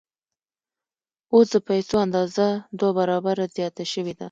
اوس د پیسو اندازه دوه برابره زیاته شوې ده